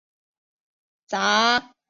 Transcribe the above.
杂讯的能量一般不会太大。